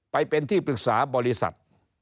ไปเป็นที่ปรึกษาบริษัท